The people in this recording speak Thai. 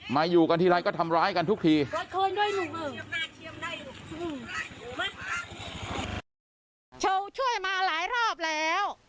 ไม่อยู่กันทีไรก็ทำร้ายกันทุกทีโดยโค้ยด้วยหนูเมื่อช่วยมาหลายรอบแล้ว